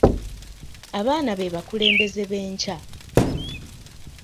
Abaana be bakulembeze b'enkya.